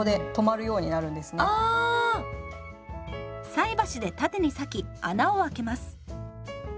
菜箸で縦に裂き穴をあけます。